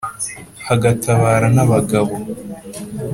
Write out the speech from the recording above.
hagatabara n'abagabo